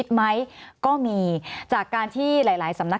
สวัสดีครับทุกคน